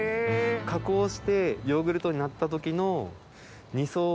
加工してヨーグルトになった時の。